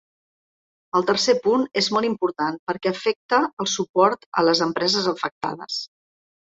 El tercer punt és molt important perquè afecta el suport a les empreses afectades.